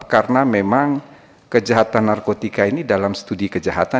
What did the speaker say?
karena memang kejahatan narkotika ini dalam studi kejahatan